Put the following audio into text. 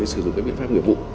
sử dụng biện pháp nguyện vụ